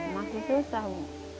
masih susah bu